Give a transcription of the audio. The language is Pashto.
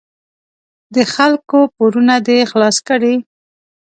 د خلکو پورونه دې خلاص کړي.